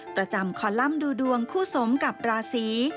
ประจำคอลัมป์ดูดวงคู่สมกับราศี